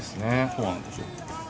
そうなんですよ。